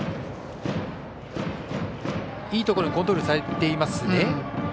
いいところにコントロールされていますね。